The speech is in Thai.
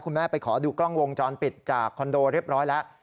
แม่ไปขอดูกล้องวงจรปิดจากคอนโดเรียบร้อยแล้ว